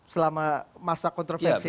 selama masa kontroversi ini